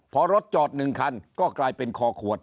พอรถจอด๑คันก็กลายเป็นคอขวด